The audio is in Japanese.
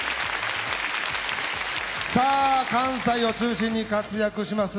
さあ関西を中心に活躍します